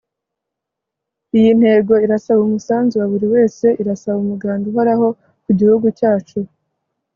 Iyi ntego irasaba umusanzu wa buri wese irasaba umuganda uhoraho ku gihugu cyacu